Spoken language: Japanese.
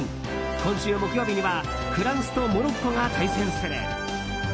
今週木曜日にはフランスとモロッコが対戦する。